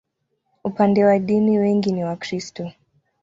Upande wa dini, wengi ni Wakristo.